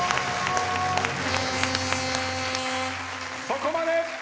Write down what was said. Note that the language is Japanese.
そこまで！